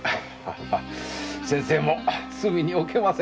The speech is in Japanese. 先生も隅に置けませんな。